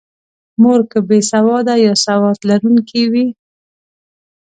مور که بې سواده یا سواد لرونکې وي.